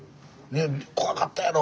怖かったやろ。